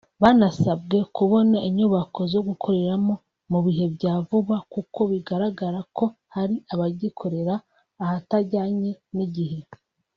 Banasabwe kubona inyubako zo gukoreramo mu bihe bya vuba kuko bigaragara ko hari abagikorera ahatajyanye n’igihe